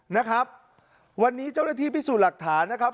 นะครับวันนี้เจ้าหน้าที่พิสูจน์หลักฐานนะครับ